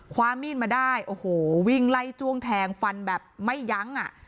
ความมีดมาได้โอ้โหวิ่งไล่จ้วงแทงฟันแบบไม่ยั้งอ่ะ